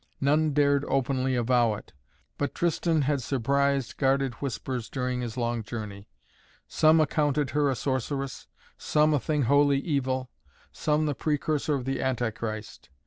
None dared openly avow it, but Tristan had surprised guarded whispers during his long journey. Some accounted her a sorceress, some a thing wholly evil, some the precursor of the Anti Christ.